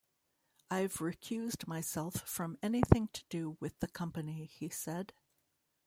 "I've recused myself from anything to do with the company," he said.